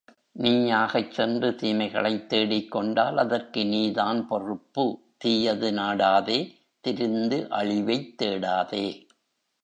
நீயாகச் சென்று தீமைகளைத் தேடிக்கொண்டால் அதற்கு நீதான் பொறுப்பு தீயது நாடாதே தெரிந்து அழிவைத் தேடாதே.